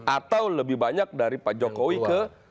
atau lebih banyak dari pak jokowi ke